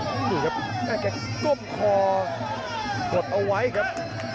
โอ้ยดูครับแค่กล้มคอกดเอาไว้ครับ